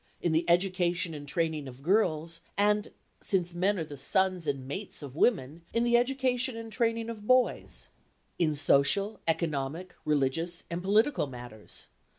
In the education and training of girls, and, since men are the sons and mates of women, in the education and training of boys; in social, economic, religious and political matters.